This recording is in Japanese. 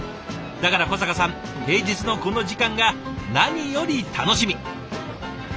だから小坂さん平日のこの時間が何より楽しみ。